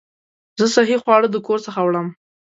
زه صحي خواړه د کور څخه وړم.